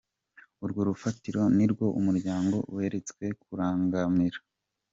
Urwo rufatiro nirwo umuryango weretswe kurangamira.